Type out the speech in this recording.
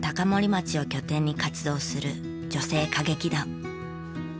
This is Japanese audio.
町を拠点に活動する女性歌劇団。